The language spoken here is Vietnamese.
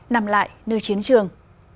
nằm lại nơi chiến trường